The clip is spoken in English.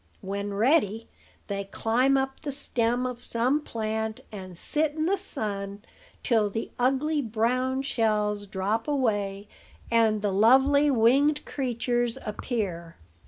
When ready, they climb up the stem of some plant, and sit in the sun till the ugly brown shells drop away, and the lovely winged creatures appear.